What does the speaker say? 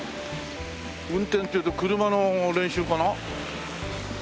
運転っていうと車の練習かな？